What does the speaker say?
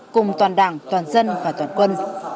cùng toàn đảng toàn dân và toàn quân